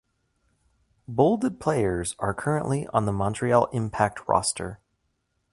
Bolded players are currently on the Montreal Impact roster.